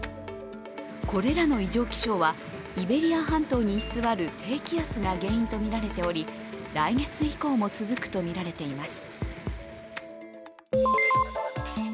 これらの異常気象はイベリア半島に居座る低気圧が原因とみられており来月以降も続くとみられています。